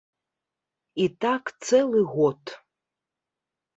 І так цэлы год.